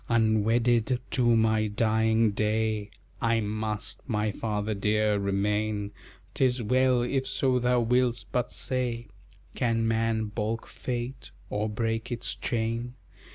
Unwedded to my dying day I must, my father dear, remain; 'Tis well, if so thou will'st, but say Can man balk Fate, or break its chain?